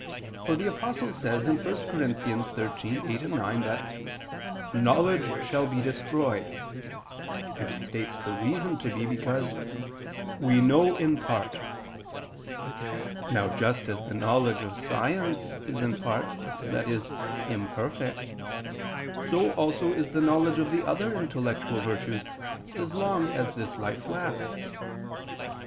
For the Apostle says (1 Cor. 13:8, 9) that "knowledge shall be destroyed," and he states the reason to be because "we know in part." Now just as the knowledge of science is in part, i.e. imperfect; so also is the knowledge of the other intellectual virtues, as long as this life lasts.